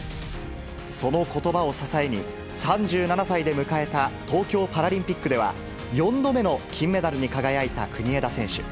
そのことばを支えに、３７歳で迎えた東京パラリンピックでは、４度目の金メダルに輝いた国枝選手。